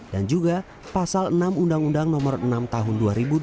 dan juga pasal enam undang undang nomor enam tahun dua ribu delapan belas